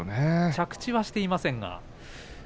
着地はしていませんがね。